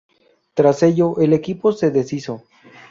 Tras ello, el equipo se deshizo.